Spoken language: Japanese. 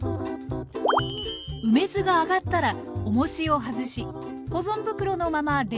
梅酢が上がったらおもしを外し保存袋のまま冷蔵庫に入れましょう。